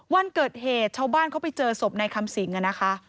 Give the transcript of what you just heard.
วันเกิดเหตุชาวบ้านเขาไปเจอศพในคำสิงนะคะ